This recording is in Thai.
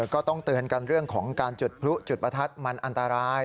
ก็ต้องเตือนกันเรื่องของการจุดพลุจุดประทัดมันอันตราย